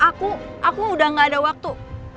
aku aku udah gak ada waktu